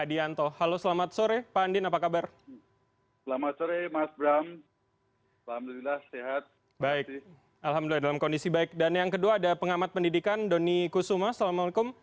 dan yang kedua ada pengamat pendidikan doni kusuma assalamualaikum